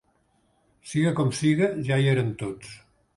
Siga com siga, ja hi eren tots.